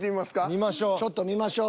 見ましょう。